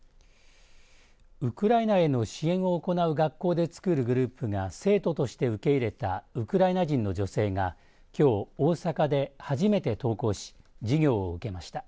ウクライナへの支援を行う学校で作るグループが生徒として受け入れたウクライナ人の女性がきょう大阪で初めて登校し授業を受けました。